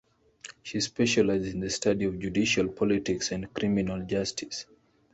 She specialized in the study of judicial politics and criminal justice.